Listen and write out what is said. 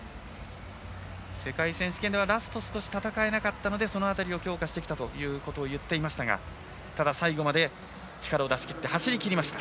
世界選手権ではラスト、少し戦えなかったのでその辺りを強化してきたと言っていましたがただ、最後まで力を出し切って走り抜きました。